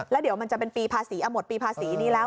แล้วเดี๋ยวมันจะเป็นปีภาษีหมดปีภาษีนี้แล้ว